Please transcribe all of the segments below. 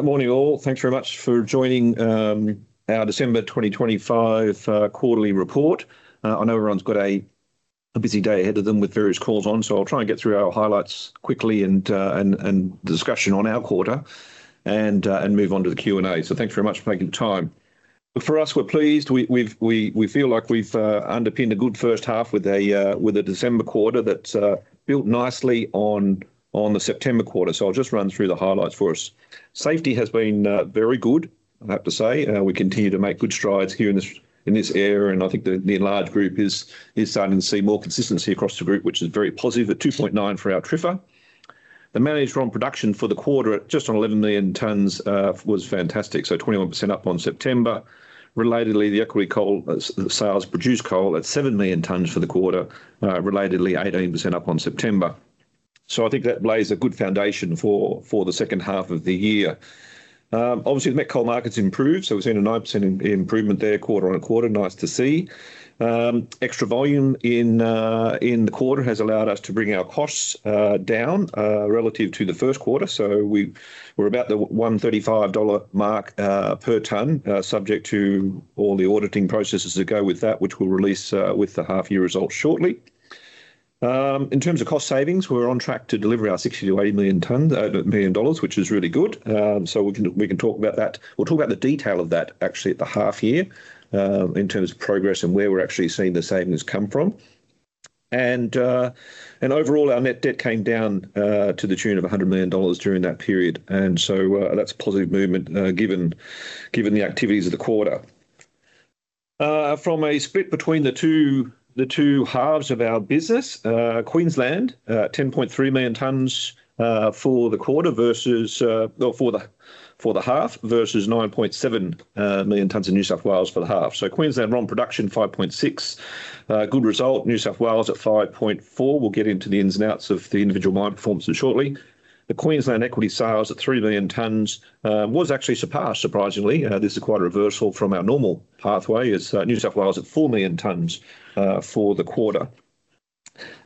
Morning, all. Thanks very much for joining our December 2025 quarterly report. I know everyone's got a busy day ahead of them with various calls on, so I'll try and get through our highlights quickly and the discussion on our quarter, and move on to the Q&A. So thanks very much for making the time. But for us, we're pleased. We've underpinned a good first half with a December quarter that built nicely on the September quarter. So I'll just run through the highlights for us. Safety has been very good, I have to say. We continue to make good strides here in this, in this area, and I think the, the enlarged group is, is starting to see more consistency across the group, which is very positive at 2.9 for our TRIFR. The managed ROM production for the quarter at just on 11 million tons was fantastic, so 21% up on September. Relatedly, the equity coal sales produced coal at 7 million tons for the quarter, relatedly 18% up on September. So I think that lays a good foundation for, for the second half of the year. Obviously, the met coal market's improved, so we've seen a 9% improvement there, quarter on quarter. Nice to see. Extra volume in, in the quarter has allowed us to bring our costs, down, relative to the first quarter. So we're about the $135 mark per ton, subject to all the auditing processes that go with that, which we'll release with the half-year results shortly. In terms of cost savings, we're on track to deliver our 60 million-80 million dollars, which is really good. So we can, we can talk about that. We'll talk about the detail of that actually at the half year, in terms of progress and where we're actually seeing the savings come from. And overall, our net debt came down to the tune of 100 million dollars during that period, and so, that's a positive movement, given the activities of the quarter. From a split between the two, the two halves of our business, Queensland, 10.3 million tons, for the quarter versus, or for the, for the half, versus 9.7 million tons in New South Wales for the half. So Queensland run production, 5.6. Good result. New South Wales at 5.4. We'll get into the ins and outs of the individual mine performances shortly. The Queensland equity sales at 3 million tons, was actually surpassed, surprisingly. This is quite a reversal from our normal pathway. It's, New South Wales at 4 million tons, for the quarter.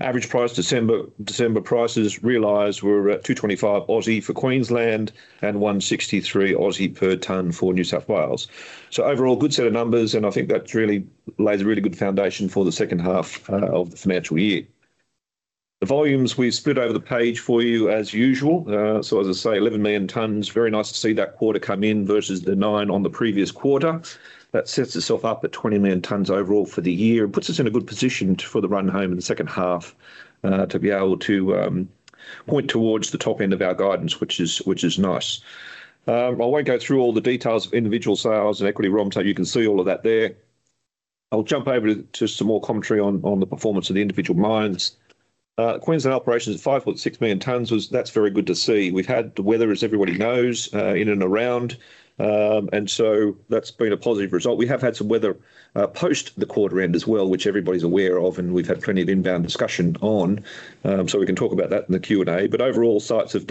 Average price December, December prices realized were at 225 for Queensland and 163 per ton for New South Wales. So overall, good set of numbers, and I think that really lays a really good foundation for the second half of the financial year. The volumes we've split over the page for you, as usual. So as I say, 11 million tons, very nice to see that quarter come in versus the 9 on the previous quarter. That sets itself up at 20 million tons overall for the year and puts us in a good position for the run home in the second half to be able to point towards the top end of our guidance, which is, which is nice. I won't go through all the details of individual sales and equity ROMs, so you can see all of that there. I'll jump over to some more commentary on the performance of the individual mines. Queensland Operations at 5.6 million tons was... That's very good to see. We've had the weather, as everybody knows, in and around, and so that's been a positive result. We have had some weather, post the quarter end as well, which everybody's aware of, and we've had plenty of inbound discussion on, so we can talk about that in the Q&A. But overall, sites have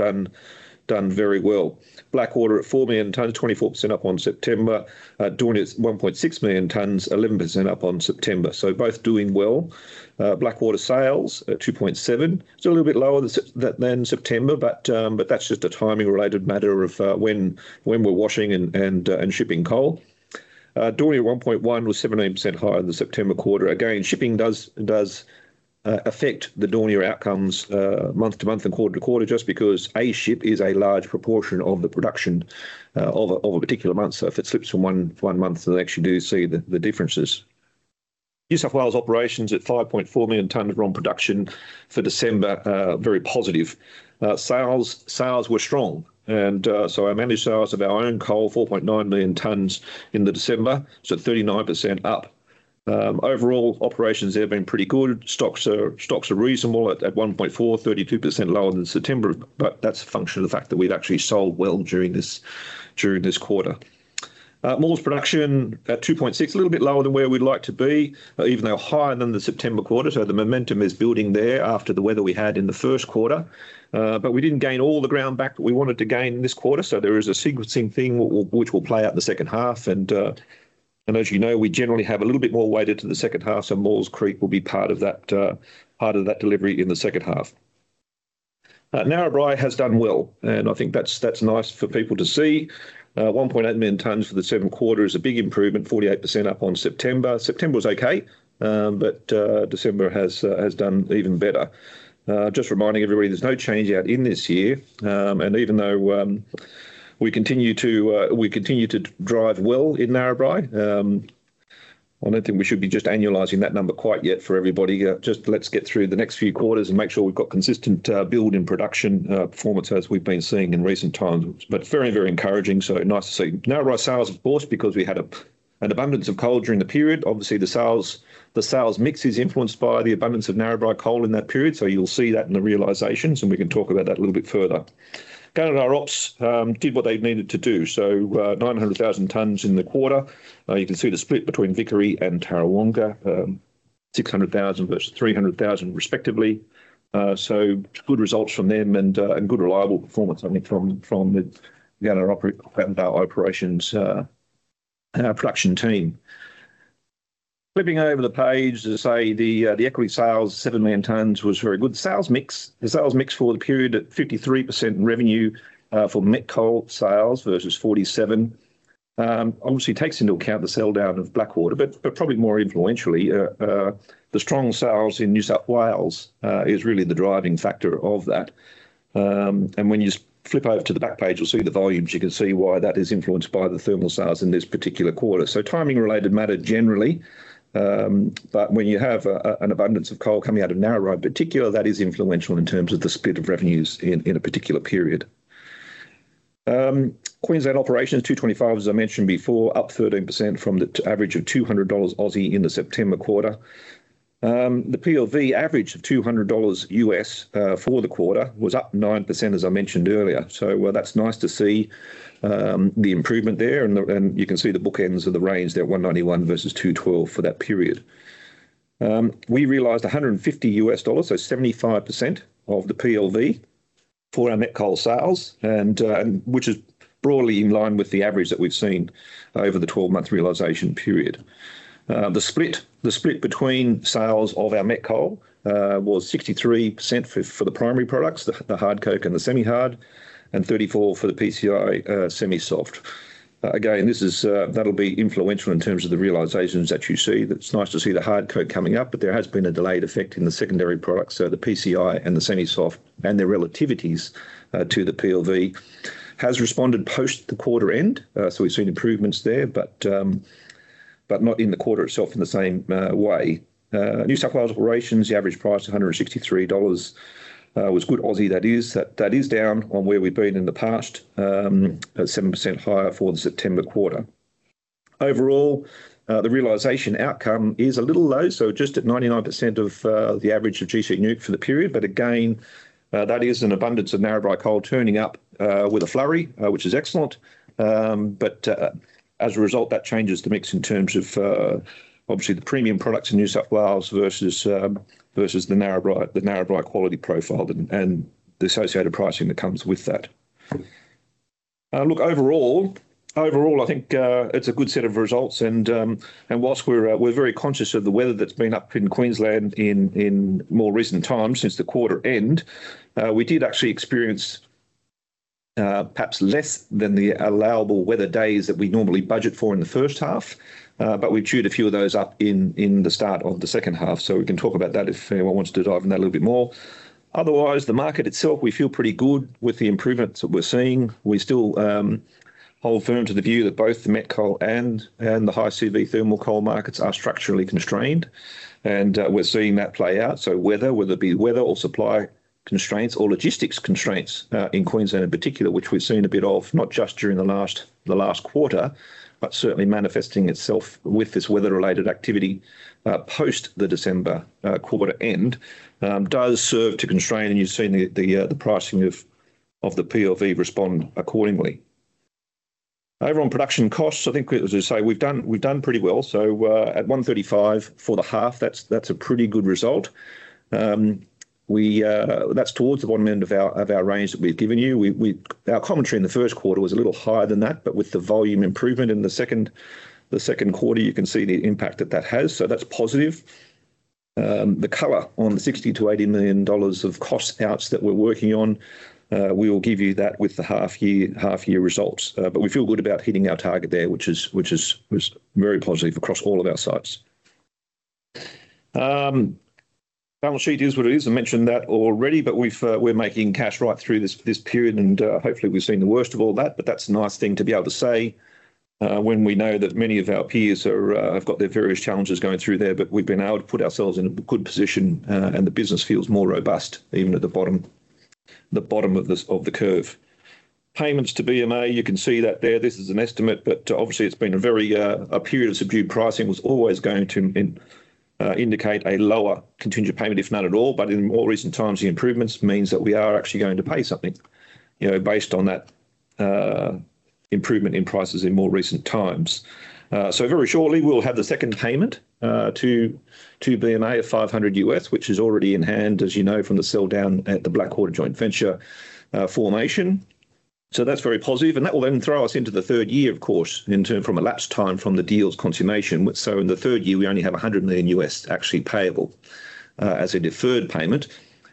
done very well. Blackwater at 4 million tons, 24% up on September. Daunia at 1.6 million tons, 11% up on September. So both doing well. Blackwater sales at 2.7. It's a little bit lower than September, but, but that's just a timing-related matter of, when we're washing and, and shipping coal. Daunia at 1.1 was 17% higher than the September quarter. Again, shipping does affect the Daunia outcomes, month-to-month and quarter-to-quarter, just because a ship is a large proportion of the production of a particular month. So if it slips from one month, then they actually do see the differences. New South Wales Operations at 5.4 million tons of ROM production for December, very positive. Sales were strong, and so our managed sales of our own coal, 4.9 million tons in December, so 39% up. Overall operations there have been pretty good. Stocks are reasonable at 1.4, 32% lower than September, but that's a function of the fact that we'd actually sold well during this quarter. Maules production at 2.6, a little bit lower than where we'd like to be, even though higher than the September quarter, so the momentum is building there after the weather we had in the first quarter. But we didn't gain all the ground back that we wanted to gain this quarter, so there is a sequencing thing which will play out in the second half. And as you know, we generally have a little bit more weighted to the second half, so Maules Creek will be part of that, part of that delivery in the second half. Narrabri has done well, and I think that's, that's nice for people to see. 1.8 million tons for the second quarter is a big improvement, 48% up on September. September was okay, but December has done even better. Just reminding everybody, there's no changeout in this year, and even though we continue to drive well in Narrabri, I don't think we should be just annualizing that number quite yet for everybody. Just let's get through the next few quarters and make sure we've got consistent build and production performance as we've been seeing in recent times. But very, very encouraging, so nice to see. Narrabri sales, of course, because we had an abundance of coal during the period. Obviously, the sales mix is influenced by the abundance of Narrabri coal in that period, so you'll see that in the realizations, and we can talk about that a little bit further. Gunnedah Ops did what they needed to do, 900,000 tons in the quarter. You can see the split between Vickery and Tarawonga, 600,000 versus 300,000 respectively. Good results from them and good, reliable performance, I mean, from the Gunnedah Operations production team. Flipping over the page, the equity sales, 7,000,000 tons was very good. Sales mix, the sales mix for the period at 53% in revenue for met coal sales versus 47%. Obviously takes into account the selldown of Blackwater, but probably more influentially, the strong sales in New South Wales is really the driving factor of that. When you flip over to the back page, you'll see the volumes. You can see why that is influenced by the thermal sales in this particular quarter. So timing-related matter generally, but when you have an abundance of coal coming out of Narrabri in particular, that is influential in terms of the split of revenues in a particular period. Queensland Operations, 225, as I mentioned before, up 13% from the average of 200 Aussie dollars in the September quarter. The PLV average of $200 for the quarter was up 9%, as I mentioned earlier. So well, that's nice to see, the improvement there, and you can see the bookends of the range there, 191 versus 212 for that period. We realized $150, so 75% of the PLV for our met coal sales, and which is broadly in line with the average that we've seen over the 12-month realization period. The split, the split between sales of our met coal, was 63% for, for the primary products, the, the hard coke and the semi-hard, and 34 for the PCI, Semi-Soft. Again, this is, that'll be influential in terms of the realizations that you see. That's nice to see the hard coke coming up, but there has been a delayed effect in the secondary products. So the PCI and the Semi-Soft and their relativities, to the PLV has responded post the quarter end. So we've seen improvements there, but, but not in the quarter itself in the same way. New South Wales Operations, the average price, $163, was good Aussie. That is, that, that is down on where we've been in the past, at 7% higher for the September quarter. Overall, the realization outcome is a little low, so just at 99% of the average of GCNEWC for the period. But again, that is an abundance of Narrabri coal turning up with a flurry, which is excellent. But, as a result, that changes the mix in terms of, obviously, the premium products in New South Wales versus, versus the Narrabri, the Narrabri quality profile and, and the associated pricing that comes with that. Look, overall, I think it's a good set of results and, while we're very conscious of the weather that's been up in Queensland in more recent times since the quarter end, we did actually experience perhaps less than the allowable weather days that we normally budget for in the first half. But we chewed a few of those up in the start of the second half, so we can talk about that if anyone wants to dive in that a little bit more. Otherwise, the market itself, we feel pretty good with the improvements that we're seeing. We still hold firm to the view that both the met coal and the high CV thermal coal markets are structurally constrained, and we're seeing that play out. So weather, whether it be weather or supply constraints or logistics constraints, in Queensland in particular, which we've seen a bit of, not just during the last quarter, but certainly manifesting itself with this weather-related activity, post the December quarter end, does serve to constrain, and you've seen the pricing of the PLV respond accordingly. Overall production costs, I think as I say, we've done pretty well. So, at 135 for the half, that's a pretty good result. That's towards the bottom end of our range that we've given you. Our commentary in the first quarter was a little higher than that, but with the volume improvement in the second quarter, you can see the impact that that has. So that's positive. The color on the $60 million-$80 million of cost-outs that we're working on, we will give you that with the half year results. But we feel good about hitting our target there, which is very positive across all of our sites. Balance sheet is what it is. I mentioned that already, but we've, we're making cash right through this period, and, hopefully, we've seen the worst of all that. But that's a nice thing to be able to say, when we know that many of our peers are, have got their various challenges going through there. But we've been able to put ourselves in a good position, and the business feels more robust, even at the bottom of this curve. Payments to BMA, you can see that there. This is an estimate, but obviously, it's been a very, a period of subdued pricing was always going to indicate a lower contingent payment, if not at all. But in more recent times, the improvements means that we are actually going to pay something, you know, based on that, improvement in prices in more recent times. So very shortly, we'll have the second payment, to, to BMA of $500, which is already in hand, as you know, from the selldown at the Blackwater Joint Venture formation. So that's very positive, and that will then throw us into the third year, of course, in term from elapsed time from the deal's consummation. So in the third year, we only have $100 million actually payable, as a deferred payment.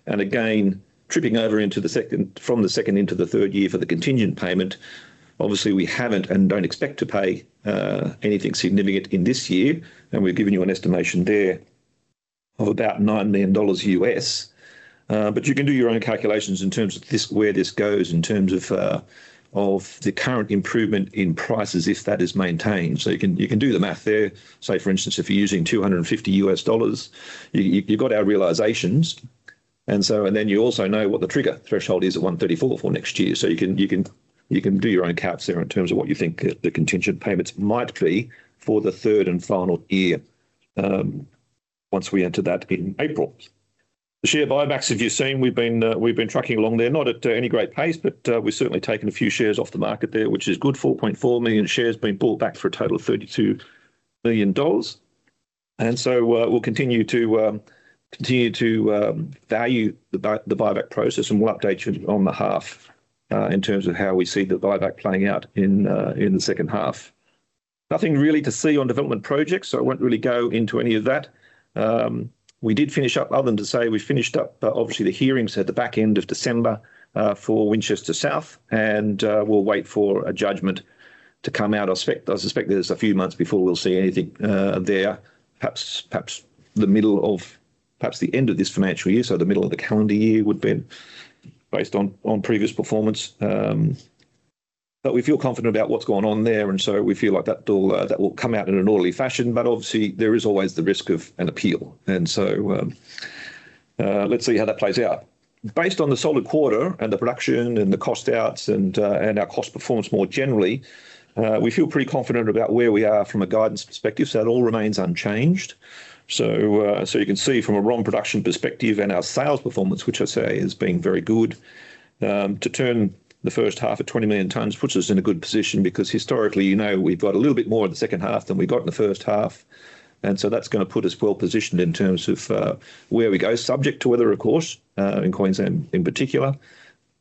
And again, tripping over into the second from the second into the third year for the contingent payment, obviously, we haven't and don't expect to pay anything significant in this year, and we've given you an estimation there of about $9 million. But you can do your own calculations in terms of this, where this goes, in terms of the current improvement in prices, if that is maintained. So you can do the math there. Say, for instance, if you're using $250, you've got our realizations, and so... And then you also know what the trigger threshold is at $134 for next year. So you can do your own caps there in terms of what you think the contingent payments might be for the third and final year, once we enter that in April. The share buybacks, as you've seen, we've been tracking along there, not at any great pace, but we've certainly taken a few shares off the market there, which is good. 4.4 million shares being bought back for a total of 32 million dollars. And so, we'll continue to value the buyback process, and we'll update you on the half in terms of how we see the buyback playing out in the second half. Nothing really to see on development projects, so I won't really go into any of that. We did finish up, other than to say we finished up, but obviously the hearings at the back end of December, for Winchester South, and we'll wait for a judgment to come out. I suspect, I suspect there's a few months before we'll see anything, there. Perhaps, perhaps the middle of, perhaps the end of this financial year, so the middle of the calendar year would be based on, on previous performance. But we feel confident about what's going on there, and so we feel like that all, that will come out in an orderly fashion. But obviously there is always the risk of an appeal, and so, let's see how that plays out. Based on the solid quarter and the production and the cost-outs and, and our cost performance more generally, we feel pretty confident about where we are from a guidance perspective, so it all remains unchanged. So, so you can see from a raw production perspective and our sales performance, which I say has been very good, to turn the first half of 20 million tonnes puts us in a good position. Because historically, you know, we've got a little bit more in the second half than we got in the first half, and so that's gonna put us well positioned in terms of, where we go, subject to weather, of course, in Queensland in particular.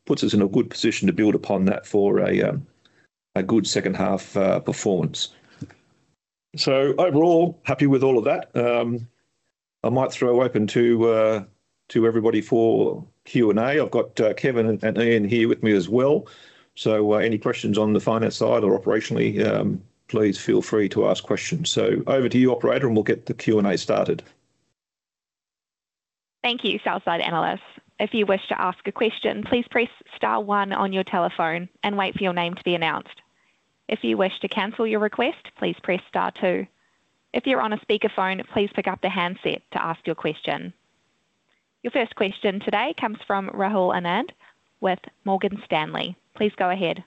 Puts us in a good position to build upon that for a, a good second half, performance. So overall, happy with all of that. I might throw open to everybody for Q&A. I've got Kevin and Ian here with me as well. So, any questions on the finance side or operationally, please feel free to ask questions. So over to you, operator, and we'll get the Q&A started. Thank you, Sell-side analysts. If you wish to ask a question, please press star one on your telephone and wait for your name to be announced. If you wish to cancel your request, please press star two. If you're on a speakerphone, please pick up the handset to ask your question. Your first question today comes from Rahul Anand with Morgan Stanley. Please go ahead.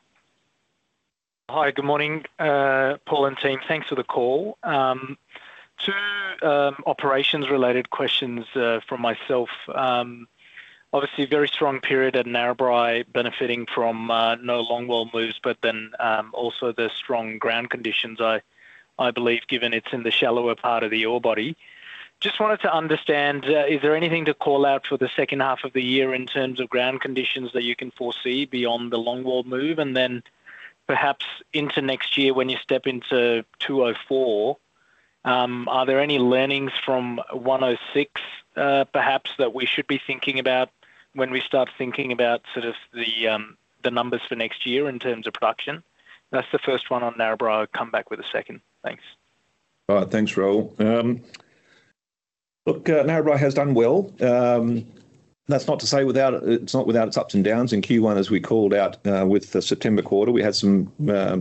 Hi, good morning, Paul and team. Thanks for the call. Two operations-related questions from myself. Obviously, a very strong period at Narrabri, benefiting from no longwall moves, but then also the strong ground conditions, I believe, given it's in the shallower part of the ore body. Just wanted to understand, is there anything to call out for the second half of the year in terms of ground conditions that you can foresee beyond the longwall move? And then perhaps into next year, when you step into 204, are there any learnings from 106, perhaps, that we should be thinking about when we start thinking about sort of the numbers for next year in terms of production? That's the first one on Narrabri. I'll come back with a second. Thanks. All right. Thanks, Rahul. Look, Narrabri has done well. That's not to say without... It's not without its ups and downs. In Q1, as we called out, with the September quarter, we had some,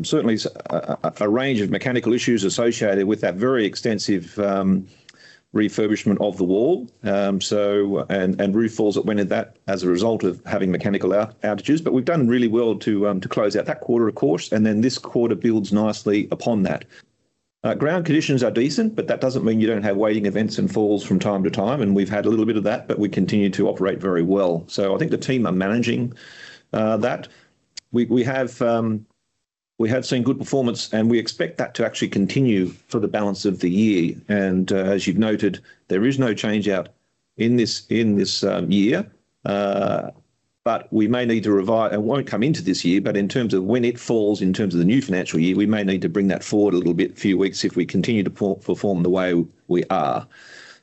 certainly, a range of mechanical issues associated with that very extensive refurbishment of the longwall. So, roof falls that went with that as a result of having mechanical outages. But we've done really well to close out that quarter, of course, and then this quarter builds nicely upon that. Ground conditions are decent, but that doesn't mean you don't have weighting events and falls from time to time, and we've had a little bit of that, but we continue to operate very well. So I think the team are managing that. We have seen good performance, and we expect that to actually continue for the balance of the year. And as you've noted, there is no change in this year. But it won't come into this year, but in terms of when it falls, in terms of the new financial year, we may need to bring that forward a little bit, few weeks, if we continue to perform the way we are.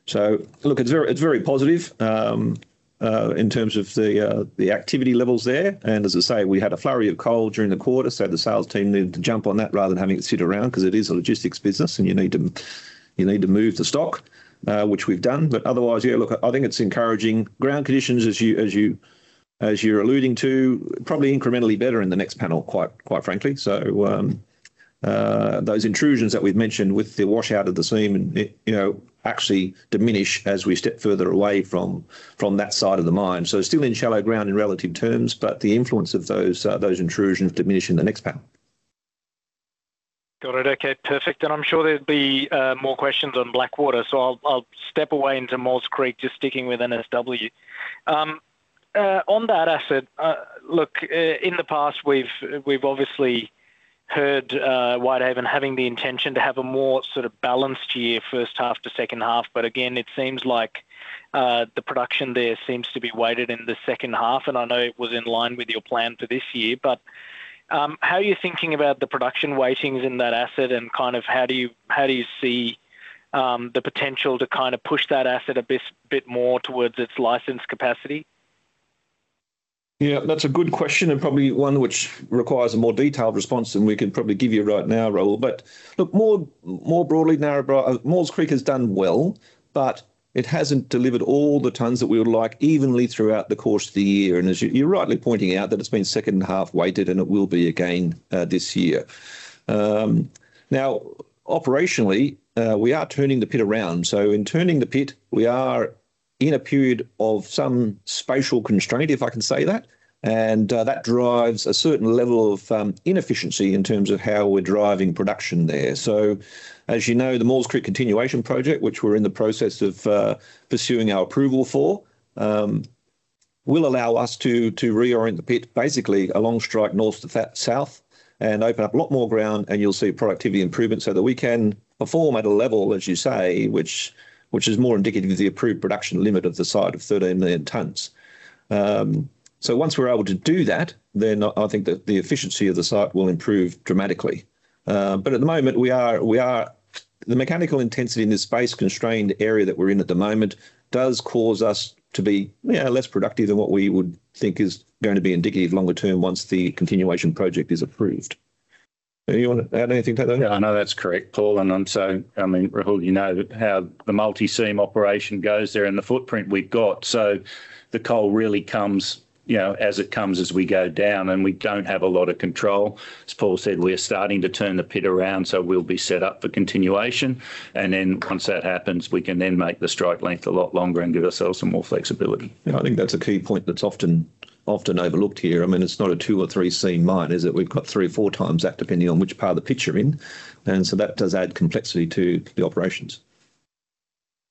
So look, it's very positive in terms of the activity levels there. And as I say, we had a flurry of coal during the quarter, so the sales team needed to jump on that rather than having it sit around, 'cause it is a logistics business, and you need to, you need to move the stock, which we've done. But otherwise, yeah, look, I think it's encouraging ground conditions, as you're alluding to, probably incrementally better in the next panel, quite frankly. So, those intrusions that we've mentioned with the washout of the seam, it, you know, actually diminish as we step further away from that side of the mine. So still in shallow ground in relative terms, but the influence of those intrusions diminish in the next panel. Got it. Okay, perfect. And I'm sure there'd be more questions on Blackwater, so I'll step away into Maules Creek, just sticking with NSW. On that asset, look, in the past, we've obviously heard Whitehaven having the intention to have a more sort of balanced year, first half to second half. But again, it seems like the production there seems to be weighted in the second half, and I know it was in line with your plan for this year. But, how are you thinking about the production weightings in that asset, and kind of how do you see the potential to kind of push that asset a bit more towards its licensed capacity? Yeah, that's a good question, and probably one which requires a more detailed response than we can probably give you right now, Rahul. But look, more broadly, Narrabri, Maules Creek has done well, but it hasn't delivered all the tons that we would like evenly throughout the course of the year. And as you're rightly pointing out, that it's been second-half weighted, and it will be again, this year. Now operationally, we are turning the pit around. So in turning the pit, we are in a period of some spatial constraint, if I can say that, and, that drives a certain level of inefficiency in terms of how we're driving production there. So as you know, the Maules Creek Continuation Project, which we're in the process of pursuing our approval for, will allow us to reorient the pit, basically along strike north to south, and open up a lot more ground, and you'll see productivity improvement so that we can perform at a level, as you say, which is more indicative of the approved production limit of the site of 13 million tonnes. So once we're able to do that, then I think the efficiency of the site will improve dramatically. But at the moment, we are. The mechanical intensity in this space-constrained area that we're in at the moment does cause us to be, you know, less productive than what we would think is going to be indicative longer term once the continuation project is approved. Do you want to add anything to that? Yeah, I know that's correct, Paul, and I mean, Rahul, you know how the multi-seam operation goes there and the footprint we've got. So the coal really comes, you know, as it comes, as we go down, and we don't have a lot of control. As Paul said, we are starting to turn the pit around, so we'll be set up for continuation, and then once that happens, we can then make the strike length a lot longer and give ourselves some more flexibility. Yeah, I think that's a key point that's often, often overlooked here. I mean, it's not a two- or three-seam mine, is it? We've got three or four times that, depending on which part of the pit you're in, and so that does add complexity to the operations.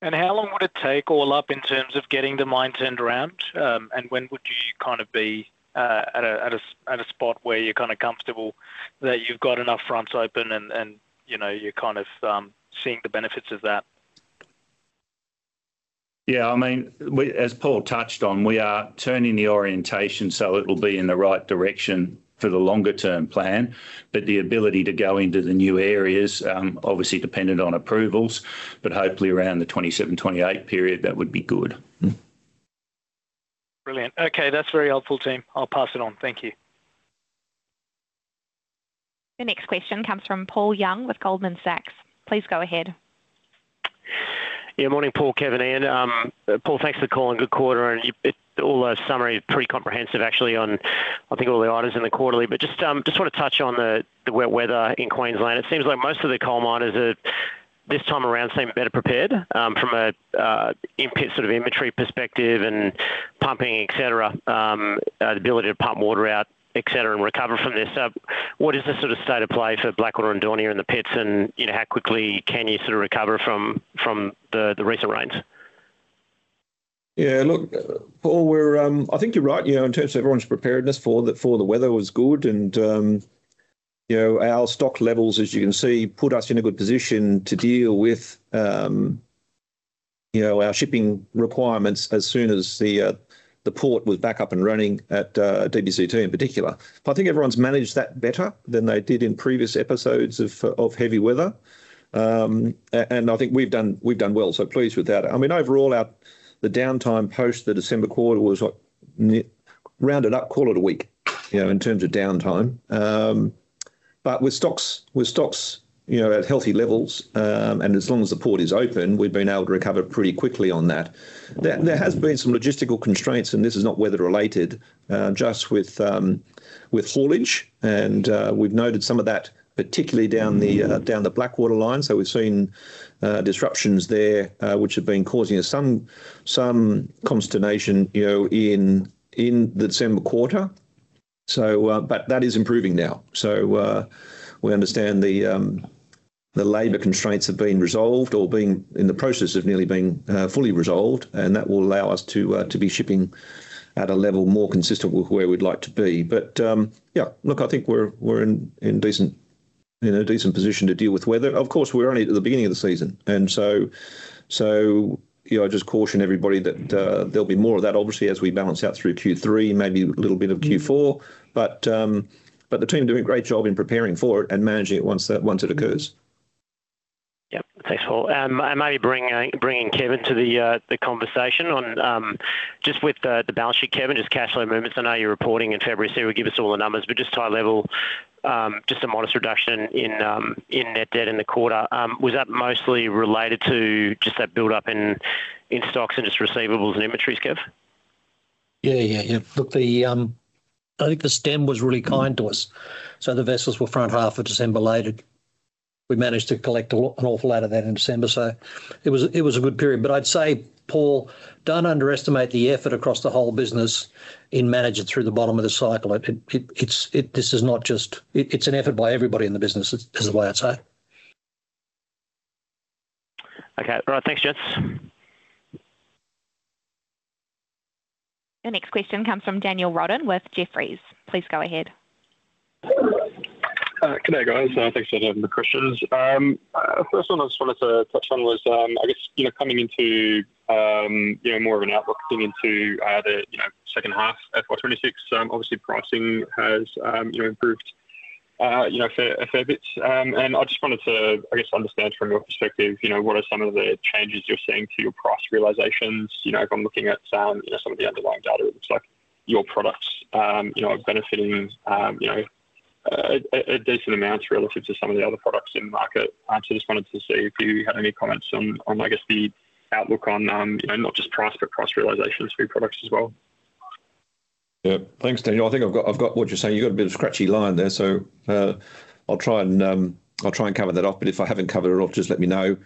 How long would it take all up in terms of getting the mine turned around? When would you kind of be at a spot where you're kind of comfortable that you've got enough fronts open and you know you're kind of seeing the benefits of that? Yeah, I mean, we, as Paul touched on, we are turning the orientation, so it will be in the right direction for the longer-term plan. But the ability to go into the new areas, obviously dependent on approvals, but hopefully around the 2027-2028 period, that would be good. Mm. Brilliant. Okay, that's very helpful, team. I'll pass it on. Thank you. The next question comes from Paul Young with Goldman Sachs. Please go ahead. Yeah, morning, Paul, Kevin, and Paul, thanks for the call and good quarter. All the summary is pretty comprehensive, actually, on, I think, all the items in the quarterly. But just, just want to touch on the, the wet weather in Queensland. It seems like most of the coal miners are, this time around, seem better prepared, from a, in-pit sort of inventory perspective and pumping, et cetera, the ability to pump water out, et cetera, and recover from this. So what is the sort of state of play for Blackwater and Daunia in the pits, and, you know, how quickly can you sort of recover from, from the, the recent rains? Yeah, look, Paul, we're... I think you're right, you know, in terms of everyone's preparedness for the, for the weather was good and, you know, our stock levels, as you can see, put us in a good position to deal with, you know, our shipping requirements as soon as the, the port was back up and running at, DBCT in particular. I think everyone's managed that better than they did in previous episodes of, of heavy weather. And I think we've done, we've done well, so pleased with that. I mean, overall, our, the downtime post the December quarter was what, round it up, call it a week, you know, in terms of downtime. But with stocks, with stocks, you know, at healthy levels, and as long as the port is open, we've been able to recover pretty quickly on that. There has been some logistical constraints, and this is not weather-related, just with with haulage, and, we've noted some of that, particularly down the down the Blackwater line. So we've seen disruptions there, which have been causing us some some consternation, you know, in the December quarter. So, but that is improving now. So, we understand the the labor constraints have been resolved or being in the process of nearly being fully resolved, and that will allow us to to be shipping at a level more consistent with where we'd like to be. But, yeah, look, I think we're we're in in decent, in a decent position to deal with weather. Of course, we're only at the beginning of the season, and so, you know, I just caution everybody that, uh, there'll be more of that, obviously, as we balance out through Q3, maybe a little bit of Q4. But, but the team are doing a great job in preparing for it and managing it once it occurs. Yep. Thanks, Paul. I may bring in Kevin to the conversation on just with the balance sheet, Kevin, just cash flow movements. I know you're reporting in February, so you will give us all the numbers, but just high level, just a modest reduction in net debt in the quarter. Was that mostly related to just that build-up in stocks and just receivables and inventories, Kev? Yeah, yeah, yeah. Look, the, I think the stem was really kind to us, so the vessels were front half of December loaded. We managed to collect an awful lot of that in December, so it was a good period. But I'd say, Paul, don't underestimate the effort across the whole business in managing through the bottom of the cycle. It's an effort by everybody in the business, is the way I'd say. Okay. All right. Thanks, gents. The next question comes from Daniel Roden with Jefferies. Please go ahead. Good day, guys. Thanks for taking the questions. First one I just wanted to touch on was, I guess, you know, coming into, you know, more of an outlook coming into, the, you know, second half FY26, obviously, pricing has, you know, improved, you know, a fair bit. And I just wanted to, I guess, understand from your perspective, you know, what are some of the changes you're seeing to your price realizations? You know, if I'm looking at, you know, some of the underlying data, it looks like your products, you know, are benefiting, you know, a decent amount relative to some of the other products in the market. I just wanted to see if you had any comments on, I guess, the outlook on, you know, not just price, but price realizations for your products as well? Yeah. Thanks, Daniel. I think I've got, I've got what you're saying. You've got a bit of scratchy line there, so I'll try and, I'll try and cover that up, but if I haven't covered it all, just let me know.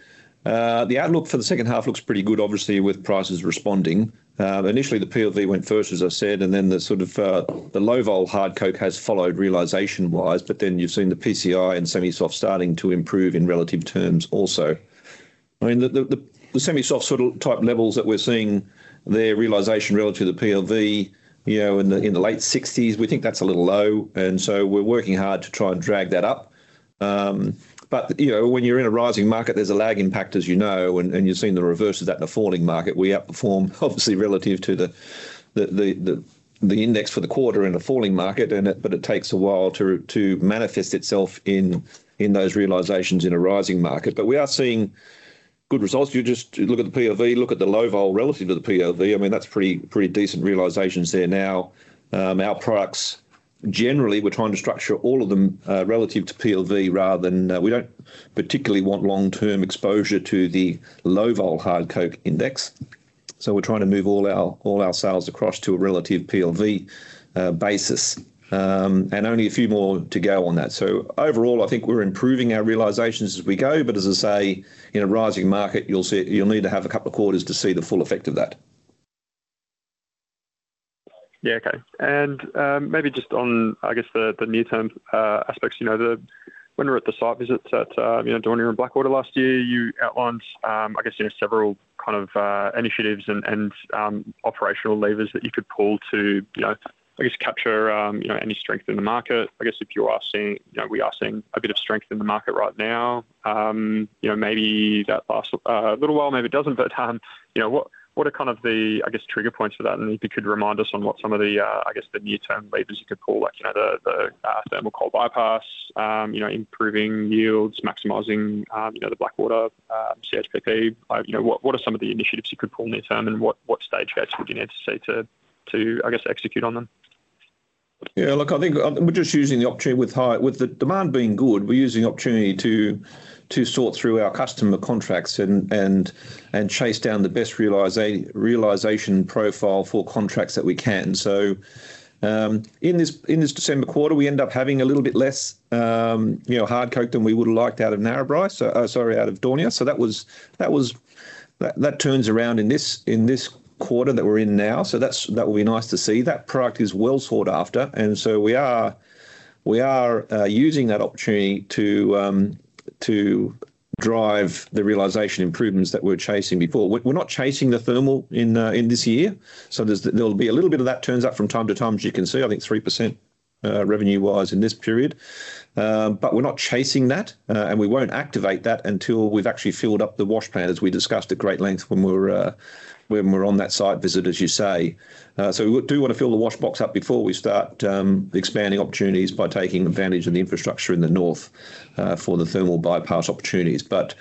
The outlook for the second half looks pretty good, obviously, with prices responding. Initially, the PLV went first, as I said, and then the sort of the Low Vol hard coke has followed realization-wise, but then you've seen the PCI and Semi-Soft starting to improve in relative terms also. I mean, the Semi-Soft sort of type levels that we're seeing, their realization relative to the PLV, you know, in the late sixties, we think that's a little low, and so we're working hard to try and drag that up. But, you know, when you're in a rising market, there's a lag impact, as you know, and you've seen the reverse of that in a falling market. We outperform, obviously, relative to the index for the quarter in a falling market, but it takes a while to manifest itself in those realizations in a rising market. But we are seeing good results. If you just look at the PLV, look at the Low Vol relative to the PLV, I mean, that's pretty decent realizations there now. Our products, generally, we're trying to structure all of them relative to PLV rather than we don't particularly want long-term exposure to the Low Vol hard coke index. So we're trying to move all our sales across to a relative PLV basis. Only a few more to go on that. So overall, I think we're improving our realizations as we go, but as I say, in a rising market, you'll see, you'll need to have a couple of quarters to see the full effect of that. Yeah. Okay. And, maybe just on, I guess, the, the near-term aspects, you know, the... When we were at the site visits at, you know, Daunia and Blackwater last year, you outlined, I guess, you know, several kind of initiatives and, and, operational levers that you could pull to, you know, I guess, capture, you know, any strength in the market. I guess if you are seeing, you know, we are seeing a bit of strength in the market right now, you know, maybe that lasts a, a little while, maybe it doesn't, but, you know, what, what are kind of the, I guess, trigger points for that? If you could remind us on what some of the, I guess, the near-term levers you could pull, like, you know, the, the, thermal coal bypass, you know, improving yields, maximizing, you know, the Blackwater, CHPP. Like, you know, what, what are some of the initiatives you could pull near-term, and what, what stage case would you need to see to, to, I guess, execute on them? Yeah, look, I think, we're just using the opportunity with the demand being good, we're using the opportunity to sort through our customer contracts and chase down the best realization profile for contracts that we can. So, in this December quarter, we end up having a little bit less, you know, hard coke than we would have liked out of Narrabri. So, sorry, out of Daunia. So that turns around in this quarter that we're in now, so that's that will be nice to see. That product is well sought after, and so we are using that opportunity to drive the realization improvements that we're chasing before. We're not chasing the thermal in, in this year, so there'll be a little bit of that turns up from time to time, as you can see, I think 3% revenue-wise in this period. But we're not chasing that, and we won't activate that until we've actually filled up the wash plant, as we discussed at great length when we were on that site visit, as you say. So we do wanna fill the wash box up before we start expanding opportunities by taking advantage of the infrastructure in the north for the thermal bypass opportunities. But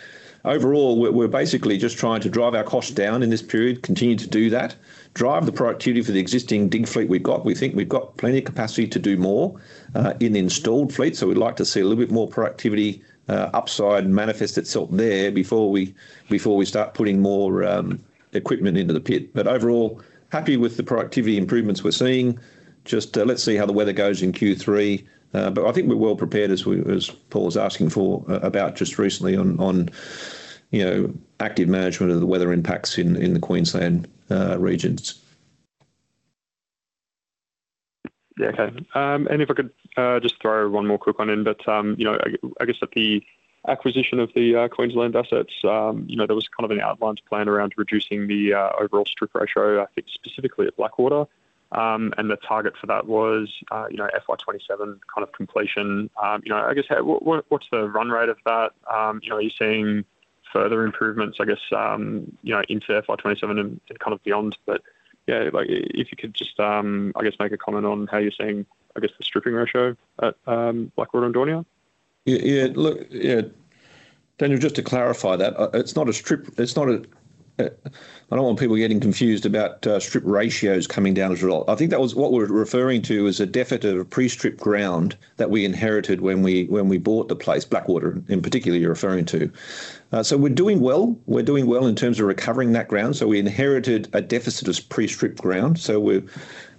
overall, we're basically just trying to drive our costs down in this period, continue to do that, drive the productivity for the existing dig fleet we've got. We think we've got plenty of capacity to do more in the installed fleet, so we'd like to see a little bit more productivity upside manifest itself there before we start putting more equipment into the pit. But overall, happy with the productivity improvements we're seeing. Just let's see how the weather goes in Q3. But I think we're well prepared, as Paul was asking for about just recently on you know, active management of the weather impacts in the Queensland regions. Yeah. Okay. And if I could just throw one more quick one in. But, you know, I, I guess that the acquisition of the Queensland assets, you know, there was kind of an outlined plan around reducing the overall strip ratio, I think specifically at Blackwater. And the target for that was, you know, FY 2027 kind of completion. You know, I guess, what, what's the run rate of that? You know, are you seeing further improvements, I guess, you know, into FY 2027 and kind of beyond? But yeah, like if you could just, I guess, make a comment on how you're seeing, I guess, the stripping ratio at Blackwater and Daunia. Yeah, yeah. Look, yeah. Daniel, just to clarify that, it's not a strip. It's not a-- I don't want people getting confused about strip ratios coming down as well. I think that was what we're referring to as a deficit of pre-strip ground that we inherited when we bought the place, Blackwater, in particular, you're referring to. So we're doing well. We're doing well in terms of recovering that ground. So we inherited a deficit of pre-strip ground, so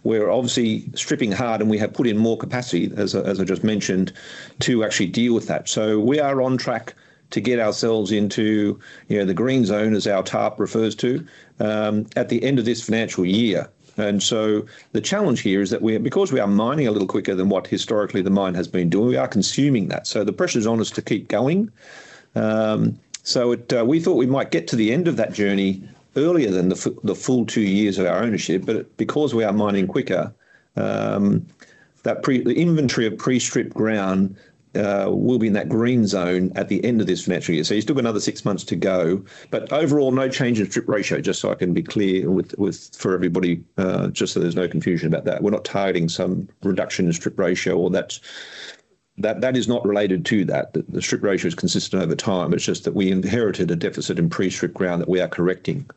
we're obviously stripping hard, and we have put in more capacity, as I just mentioned, to actually deal with that. So we are on track to get ourselves into, you know, the green zone, as our TARP refers to, at the end of this financial year. The challenge here is that we're, because we are mining a little quicker than what historically the mine has been doing, we are consuming that, so the pressure is on us to keep going. So we thought we might get to the end of that journey earlier than the full two years of our ownership, but because we are mining quicker, the inventory of pre-strip ground will be in that green zone at the end of this financial year. So you've still got another six months to go, but overall, no change in strip ratio, just so I can be clear for everybody, just so there's no confusion about that. We're not targeting some reduction in strip ratio or that is not related to that. The strip ratio is consistent over time. It's just that we inherited a deficit in pre-strip ground that we are correcting.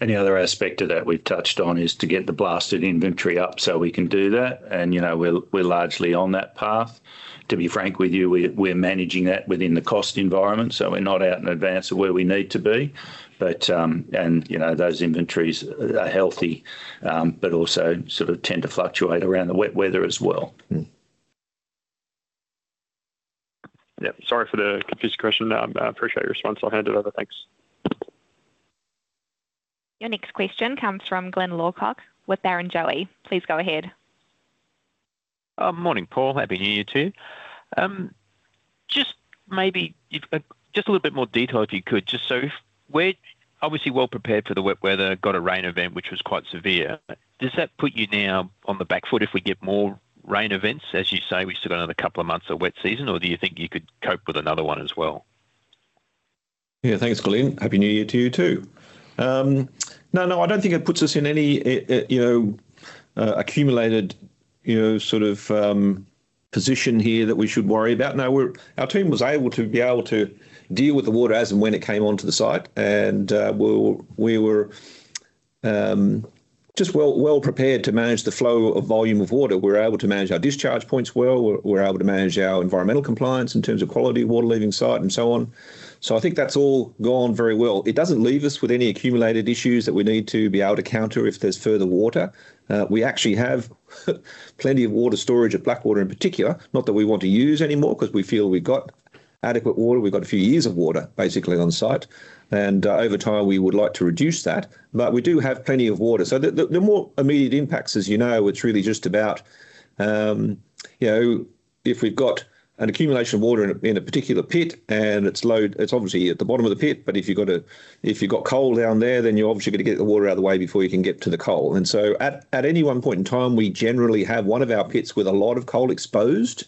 The other aspect of that we've touched on is to get the blasted inventory up so we can do that, and, you know, we're largely on that path. To be frank with you, we're managing that within the cost environment, so we're not out in advance of where we need to be. But, you know, those inventories are healthy, but also sort of tend to fluctuate around the wet weather as well. Mm-hmm. Yeah, sorry for the confused question. I appreciate your response. I'll hand it over. Thanks. Your next question comes from Glyn Lawcock with Barrenjoey. Please go ahead. Morning, Paul. Happy New Year to you. Just maybe if just a little bit more detail, if you could. Just so we're obviously well prepared for the wet weather, got a rain event, which was quite severe. Does that put you now on the back foot if we get more rain events? As you say, we've still got another couple of months of wet season, or do you think you could cope with another one as well? Yeah. Thanks, Glyn. Happy New Year to you, too. No, no, I don't think it puts us in any, you know, accumulated, you know, sort of, position here that we should worry about? No, we're— Our team was able to deal with the water as and when it came onto the site, and, we were just well-prepared to manage the flow of volume of water. We were able to manage our discharge points well, we were able to manage our environmental compliance in terms of quality of water leaving site, and so on. So I think that's all gone very well. It doesn't leave us with any accumulated issues that we need to be able to counter if there's further water. We actually have plenty of water storage at Blackwater in particular. Not that we want to use any more, 'cause we feel we've got adequate water. We've got a few years of water basically on site, and over time we would like to reduce that, but we do have plenty of water. So the more immediate impacts, as you know, it's really just about, you know, if we've got an accumulation of water in a particular pit and it's obviously at the bottom of the pit, but if you've got coal down there, then you're obviously gonna get the water out of the way before you can get to the coal. And so at any one point in time, we generally have one of our pits with a lot of coal exposed.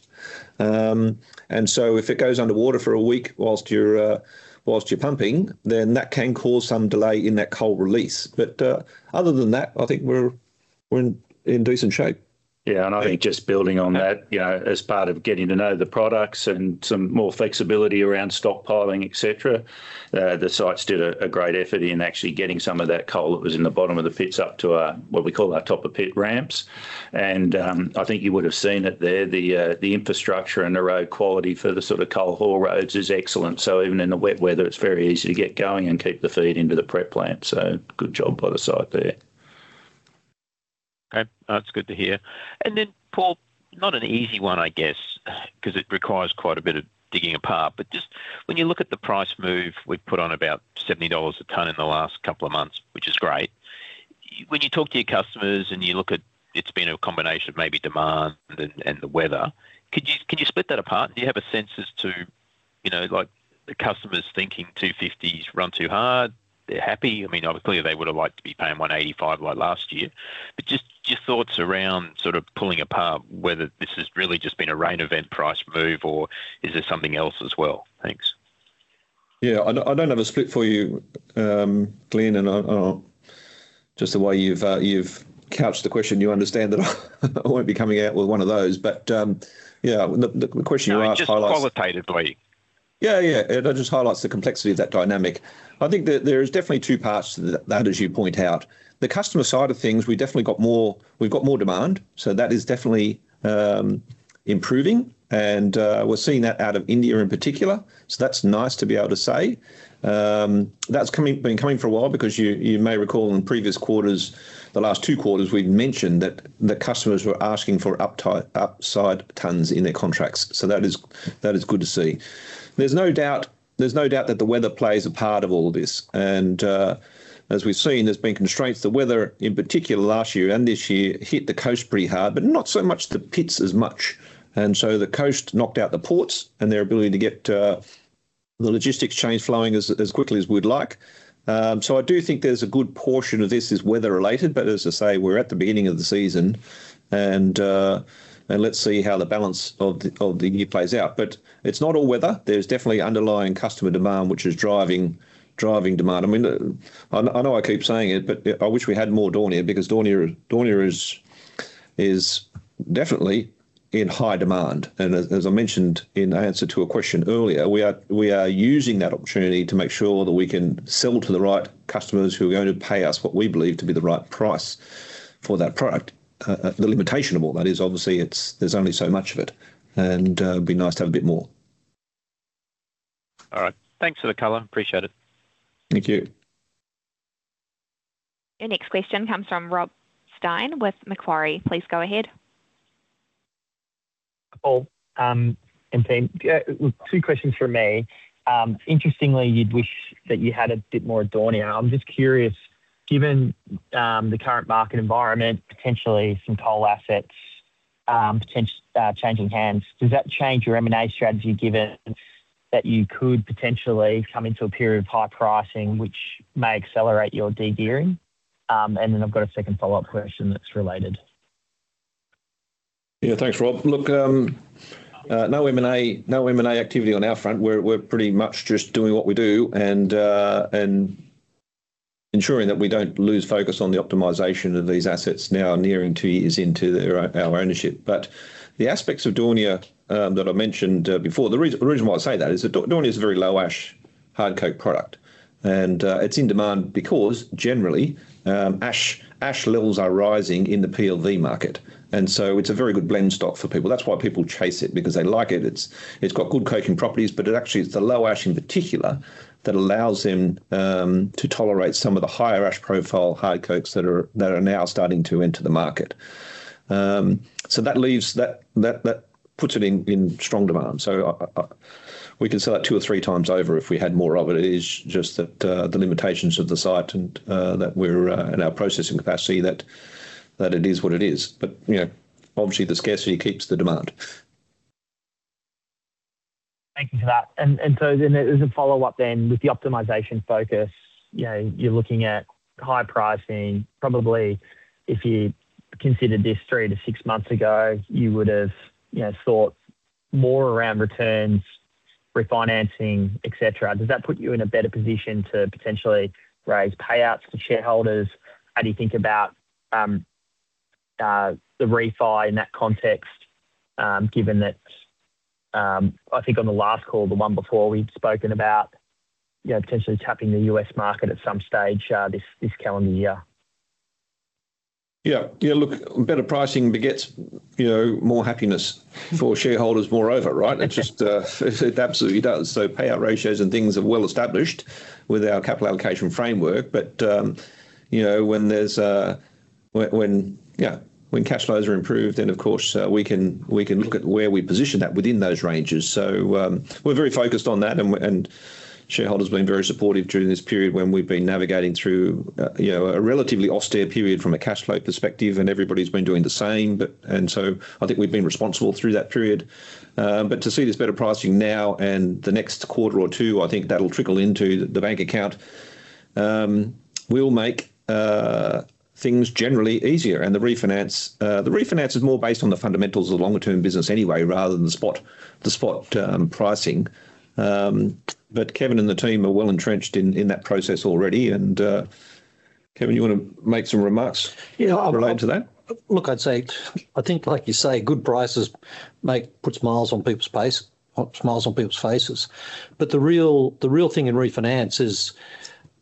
And so if it goes under water for a week whilst you're pumping, then that can cause some delay in that coal release. But other than that, I think we're in decent shape. Yeah, and I think just building on that, you know, as part of getting to know the products and some more flexibility around stockpiling, et cetera, the site did a great effort in actually getting some of that coal that was in the bottom of the pits up to what we call our top of pit ramps. And I think you would have seen it there, the infrastructure and the road quality for the sort of coal haul roads is excellent. So even in the wet weather, it's very easy to get going and keep the feed into the prep plant. So good job by the site there. Okay, that's good to hear. And then, Paul, not an easy one, I guess, 'cause it requires quite a bit of digging apart. But just when you look at the price move, we've put on about $70 a ton in the last couple of months, which is great. When you talk to your customers and you look at, it's been a combination of maybe demand and the weather, could you split that apart? Do you have a sense as to, you know, like, the customers thinking 250s run too hard? They're happy. I mean, obviously they would have liked to be paying $185 like last year. But just your thoughts around sort of pulling apart whether this has really just been a rain event price move or is there something else as well? Thanks. Yeah, I don't have a split for you, Glyn, and I just the way you've couched the question, you understand that I won't be coming out with one of those. But yeah, the question you asked highlights- Just qualitatively. Yeah, yeah. It just highlights the complexity of that dynamic. I think that there is definitely two parts to that, as you point out. The customer side of things, we definitely got more, we've got more demand, so that is definitely improving. And we're seeing that out of India in particular, so that's nice to be able to say. That's coming, been coming for a while because you may recall in previous quarters, the last two quarters, we've mentioned that the customers were asking for upside tonnes in their contracts. So that is, that is good to see. There's no doubt, there's no doubt that the weather plays a part of all this. And as we've seen, there's been constraints. The weather, in particular last year and this year, hit the coast pretty hard, but not so much the pits as much. And so the coast knocked out the ports and their ability to get, the logistics chain flowing as, as quickly as we'd like. So I do think there's a good portion of this is weather related, but as I say, we're at the beginning of the season, and, and let's see how the balance of the, of the year plays out. But it's not all weather. There's definitely underlying customer demand, which is driving, driving demand. I mean, I, I know I keep saying it, but I wish we had more Daunia, because Daunia, Daunia is, is definitely in high demand. And as, as I mentioned in answer to a question earlier, we are, we are using that opportunity to make sure that we can sell to the right customers who are going to pay us what we believe to be the right price for that product. The limitation of all that is obviously it's, there's only so much of it, and it'd be nice to have a bit more. All right. Thanks for the color. Appreciate it. Thank you. Your next question comes from Rob Stein with Macquarie. Please go ahead. Paul, and team, yeah, two questions from me. Interestingly, you'd wish that you had a bit more Daunia. I'm just curious, given, the current market environment, potentially some coal assets, potential, changing hands, does that change your M&A strategy, given that you could potentially come into a period of high pricing, which may accelerate your de-gearing? And then I've got a second follow-up question that's related. Yeah, thanks, Rob. Look, no M&A activity on our front. We're pretty much just doing what we do and ensuring that we don't lose focus on the optimization of these assets now nearing two years into their, our ownership. But the aspects of Daunia that I mentioned before, the reason why I say that is that Daunia is a very low ash, hard coke product, and it's in demand because generally, ash levels are rising in the PLV market, and so it's a very good blend stock for people. That's why people chase it, because they like it. It's got good coking properties, but it actually, it's the low ash in particular, that allows them to tolerate some of the higher ash profile, hard cokes that are now starting to enter the market. So that leaves... That puts it in strong demand. So we can sell it two or three times over if we had more of it. It is just that the limitations of the site and that we're in our processing capacity, that it is what it is. But, you know, obviously, the scarcity keeps the demand. Thank you for that. And so as a follow-up, with the optimization focus, you know, you're looking at high pricing. Probably, if you considered this 3-6 months ago, you would have, you know, thought more around returns, refinancing, et cetera, does that put you in a better position to potentially raise payouts to shareholders? How do you think about the refi in that context, given that, I think on the last call, the one before, we'd spoken about, you know, potentially tapping the US market at some stage, this calendar year? Yeah. Yeah, look, better pricing begets, you know, more happiness for shareholders moreover, right? It just, it absolutely does. So payout ratios and things are well-established with our capital allocation framework, but, you know, when cash flows are improved, then of course, we can, we can look at where we position that within those ranges. So, we're very focused on that, and, and shareholders have been very supportive during this period when we've been navigating through, you know, a relatively austere period from a cash flow perspective, and everybody's been doing the same. But, and so I think we've been responsible through that period. But to see this better pricing now and the next quarter or two, I think that'll trickle into the bank account, will make things generally easier. The refinance is more based on the fundamentals of the longer-term business anyway, rather than the spot pricing. But Kevin and the team are well-entrenched in that process already. And, Kevin, you want to make some remarks- Yeah, I- related to that? Look, I'd say, I think, like you say, good prices make, put smiles on people's face, put smiles on people's faces. But the real, the real thing in refinance is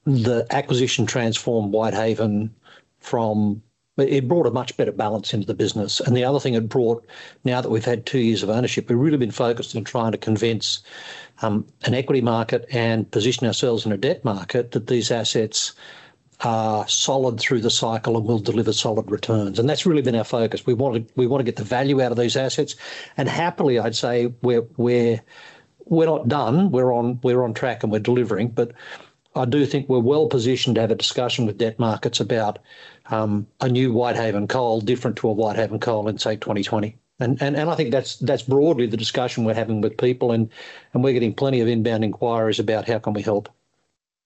the acquisition transformed Whitehaven from... It brought a much better balance into the business. And the other thing it brought, now that we've had two years of ownership, we've really been focused on trying to convince, an equity market and position ourselves in a debt market, that these assets are solid through the cycle and will deliver solid returns, and that's really been our focus. We want to, we want to get the value out of these assets. And happily, I'd say we're, we're, we're not done, we're on, we're on track and we're delivering. But I do think we're well-positioned to have a discussion with debt markets about a new Whitehaven Coal, different to a Whitehaven Coal in, say, 2020. And I think that's broadly the discussion we're having with people, and we're getting plenty of inbound inquiries about how can we help.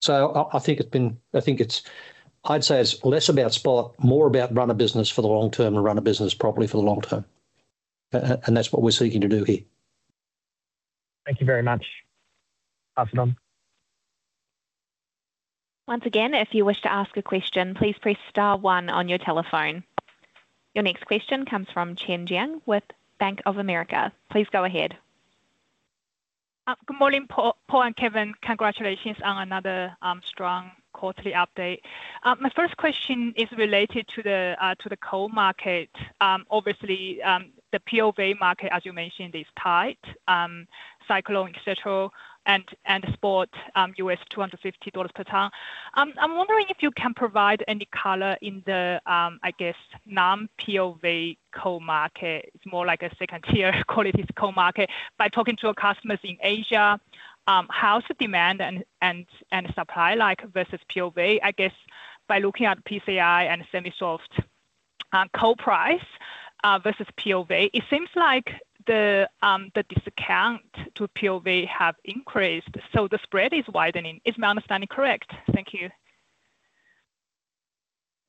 So I think it's been. I think it's. I'd say it's less about spot, more about run a business for the long term and run a business properly for the long term. And that's what we're seeking to do here. Thank you very much. Pass it on. Once again, if you wish to ask a question, please press star one on your telephone. Your next question comes from Chen Jiang with Bank of America. Please go ahead. Good morning, Paul, Paul and Kevin. Congratulations on another strong quarterly update. My first question is related to the coal market. Obviously, the PLV market, as you mentioned, is tight, cyclone et cetera, and spot $250 per ton. I'm wondering if you can provide any color on the, I guess, non-PLV coal market. It's more like a second-tier quality coal market. By talking to our customers in Asia, how's the demand and supply like versus PLV? I guess by looking at PCI and Semi-Soft coal price versus PLV, it seems like the discount to PLV have increased, so the spread is widening. Is my understanding correct? Thank you.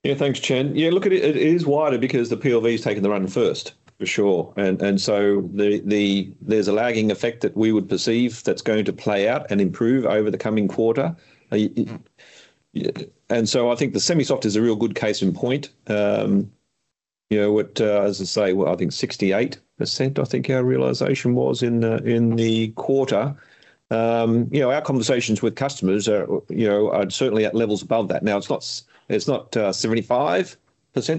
Yeah, thanks, Chen. Yeah, look, it is wider because the PLV has taken the run first, for sure. And so there's a lagging effect that we would perceive that's going to play out and improve over the coming quarter. Yeah, and so I think the Semi-Soft is a real good case in point. You know what, as I say, well, I think 68%, I think our realization was in the quarter. You know, our conversations with customers are, you know, are certainly at levels above that. Now, it's not—it's not 75%,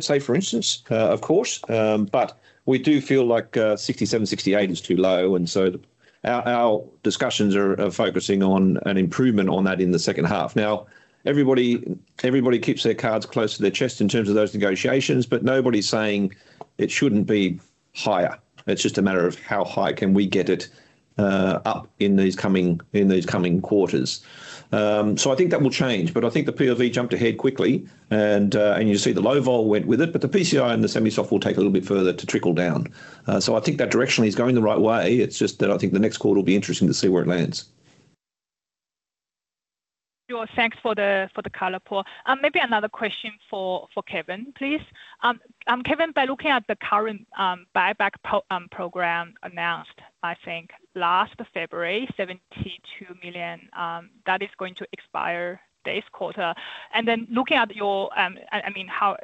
say, for instance, of course, but we do feel like 67, 68 is too low, and so our discussions are focusing on an improvement on that in the second half. Now, everybody, everybody keeps their cards close to their chest in terms of those negotiations, but nobody's saying it shouldn't be higher. It's just a matter of how high can we get it up in these coming, in these coming quarters. So I think that will change. But I think the PLV jumped ahead quickly, and you see the Low Vol went with it, but the PCI and the Semi-Soft will take a little bit further to trickle down. So I think that directionally is going the right way. It's just that I think the next quarter will be interesting to see where it lands. Sure. Thanks for the color, Paul. Maybe another question for Kevin, please. Kevin, by looking at the current buyback program announced, I think last February, 72 million that is going to expire this quarter. And then looking at your, I mean, how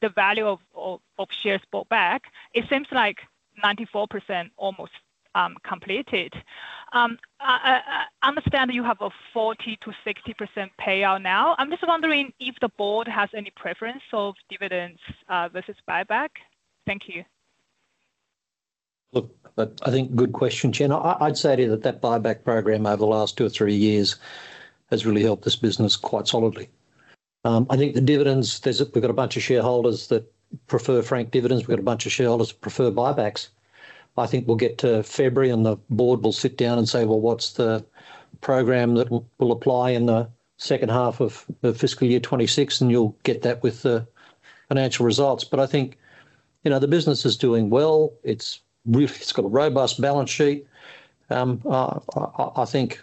the value of shares bought back, it seems like 94% almost completed. I understand you have a 40%-60% payout now. I'm just wondering if the board has any preference of dividends versus buyback. Thank you. Look, I think good question, Chen. I'd say to you that that buyback program over the last two or three years has really helped this business quite solidly. I think the dividends, there's a, we've got a bunch of shareholders that prefer franked dividends. We've got a bunch of shareholders that prefer buybacks. I think we'll get to February, and the board will sit down and say, "Well, what's the program that we'll apply in the second half of fiscal year 2026?" And you'll get that with the financial results. But I think, you know, the business is doing well. It's really, it's got a robust balance sheet. I think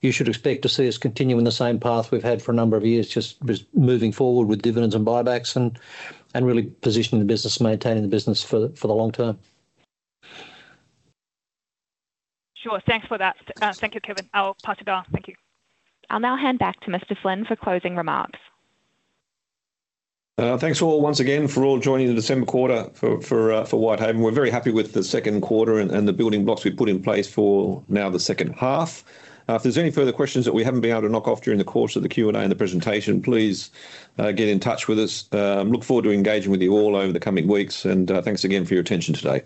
you should expect to see us continuing the same path we've had for a number of years, just moving forward with dividends and buybacks and really positioning the business, maintaining the business for the long term. Sure. Thanks for that. Thank you, Kevin. I'll pass it on. Thank you. I'll now hand back to Mr. Flynn for closing remarks. Thanks, all, once again for all joining the December quarter for Whitehaven. We're very happy with the second quarter and the building blocks we've put in place for now the second half. If there's any further questions that we haven't been able to knock off during the course of the Q&A and the presentation, please, get in touch with us. Look forward to engaging with you all over the coming weeks, and, thanks again for your attention today.